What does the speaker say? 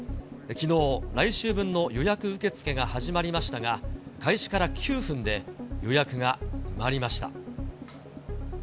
きのう、来週分の予約受け付けが始まりましたが、開始から９分で予約が埋まりました。